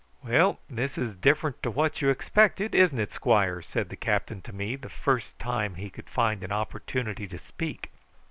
"Well, this is different to what you expected; isn't it, squire?" said the captain to me the first time he could find an opportunity to speak.